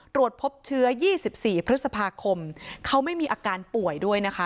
ตรวจพบเชื้อ๒๔พฤษภาคมเขาไม่มีอาการป่วยด้วยนะคะ